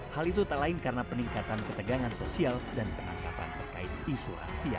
hal itu tak lain karena peningkatan ketegangan sosial dan penangkapan terkait isu asia